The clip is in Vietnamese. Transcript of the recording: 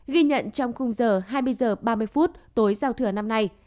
ghi nhận trong khung giờ hai mươi h ba mươi phút tối giao thừa năm nay